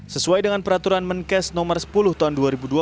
sesuai dengan peraturan menkes nomor sepuluh tahun dua ribu dua puluh